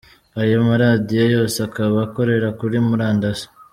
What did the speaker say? Ayo maradiyo yose akaba akorera kuri murandasi.